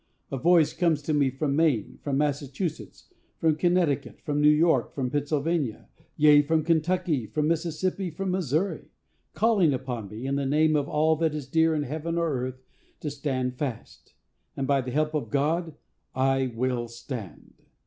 A voice comes to me from Maine, from Massachusetts, from Connecticut, from New York, from Pennsylvania,—yea, from Kentucky, from Mississippi, from Missouri,—calling upon me, in the name of all that is dear in heaven or earth, to stand fast; and, by the help of God, I WILL STAND.